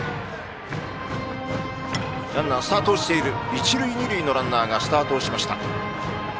一塁二塁のランナーがスタートをしました。